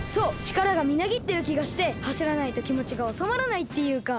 ちからがみなぎってるきがしてはしらないときもちがおさまらないっていうか。